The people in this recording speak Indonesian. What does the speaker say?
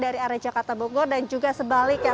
dari arah jakarta bogor dan juga sebaliknya